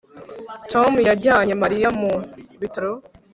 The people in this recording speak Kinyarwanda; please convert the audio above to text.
Tom yajyanye Mariya mu bitaro